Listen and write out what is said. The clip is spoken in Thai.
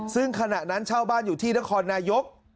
ซึ่งขณะนั้นเช่าบ้านอยู่ที่นครนายก